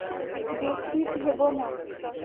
বেশি ভেবো না।